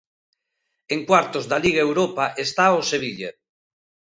En cuartos da Liga Europa está o Sevilla.